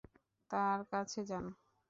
তার কাছে যান।